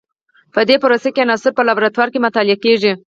په دې پروسه کې عناصر په لابراتوار کې مطالعه کیږي.